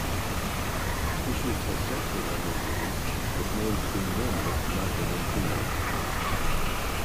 The species has sexual dimorphism, with males being normally larger than females.